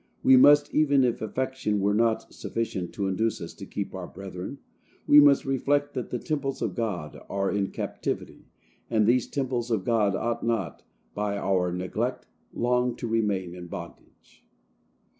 We must, even if affection were not sufficient to induce us to keep our brethren,—we must reflect that the temples of God are in captivity, and these temples of God ought not, by our neglect, long to remain in bondage.